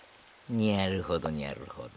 にゃるほどにゃるほど。